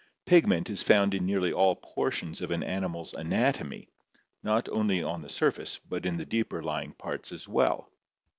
Pigment is found in nearly all portions of an animal's anatomy, not only on the surface but in the deeper lying parts as well.